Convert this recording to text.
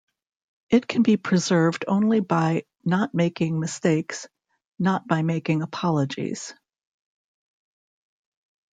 It can be preserved only by not making mistakes, not by making apologies.